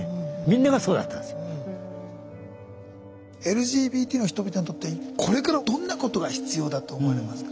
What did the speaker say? ＬＧＢＴの人々にとってこれからどんなことが必要だと思われますか？